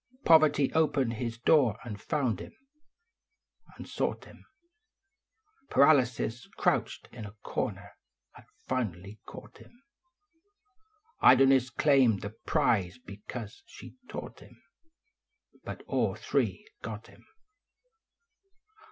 Poverty opened his door and found im and sought im ; Paralvsis. crouched in a corner, had finally caught im ; Idleness claimed the prize because she d taught im Hut all three got Mm.